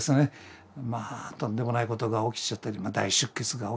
とんでもないことが起きちゃったり大出血が起きてね